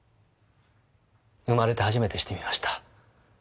生まれて初めてしてみました。